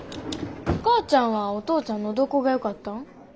お母ちゃんはお父ちゃんのどこがよかったん？